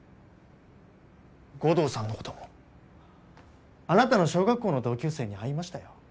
護道さんのこともあなたの小学校の同級生に会いましたよ